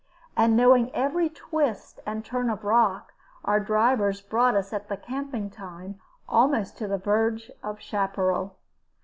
And knowing every twist and turn of rock, our drivers brought us at the camping time almost to the verge of chaparral.